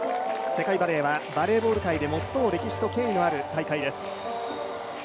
世界バレーはバレーボール界で最も歴史と権威のある大会です。